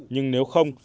nhưng nếu không